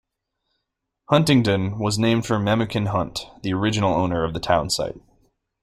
Huntingdon was named for Memucan Hunt, the original owner of the town site.